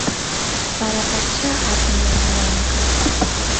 Parapaschá apiyamuwanqa